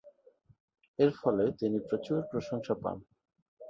এর ফলে তিনি প্রচুর প্রশংসা পান।